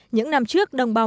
những năm trước đồng bào